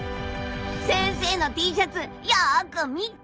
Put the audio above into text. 先生のＴシャツよく見て！